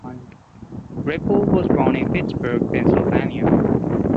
Ripple was born in Pittsburgh, Pennsylvania.